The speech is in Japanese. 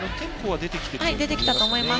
出てきたと思います。